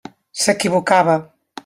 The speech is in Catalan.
S'equivocava.